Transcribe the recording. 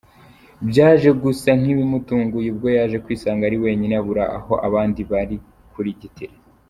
Byaje gusa nk’ibimutunguye ubwo yaje kwisanga ari wenyine abura aho abandi bari kurigitira.